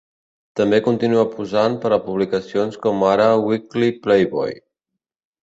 També continua posant per a publicacions com ara "Weekly Playboy".